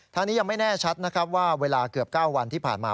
ทางนี้ยังไม่แน่ชัดนะครับว่าเวลาเกือบ๙วันที่ผ่านมา